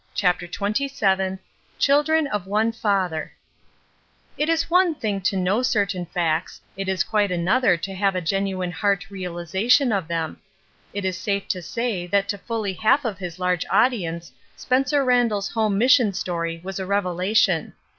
CHAPTER XXVII CHILDRteN OF ONE FATHER IT is one thing to know certain facts, it is quite another to have a genuine heart reali zation of them. It is safe to say that to fully half of his large audience Spencer Randall's home mission story was a revelation.